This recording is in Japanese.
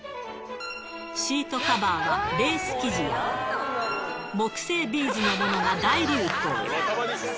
シートカバーは、レース生地や木製ビーズのものが大流行。